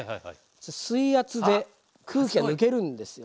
水圧で空気が抜けるんですよ。